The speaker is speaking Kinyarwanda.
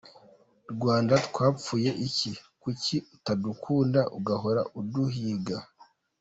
“Rwanda twapfuye iki, kuki utadukunda ugahora uduhiga?”